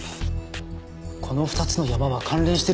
この２つのヤマは関連してるんでしょうか？